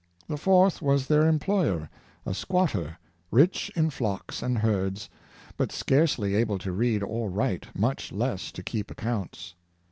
The fourth was their employer, a squatter, rich in flocks and herds, but scarcely able to read or write, much less to keep accounts."